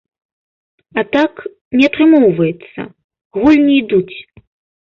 А так, не атрымоўваецца, гульні ідуць.